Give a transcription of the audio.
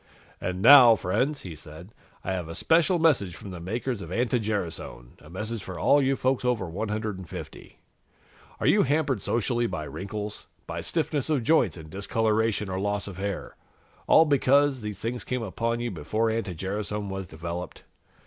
"And now, friends," he said, "I have a special message from the makers of anti gerasone, a message for all you folks over 150. Are you hampered socially by wrinkles, by stiffness of joints and discoloration or loss of hair, all because these things came upon you before anti gerasone was developed?